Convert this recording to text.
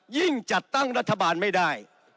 ยิ่งจัดตั้งรัฐบาลไม่ได้